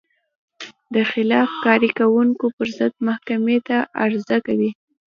و د خلاف کارۍ کوونکو پر ضد محکمې ته عریضه کوي.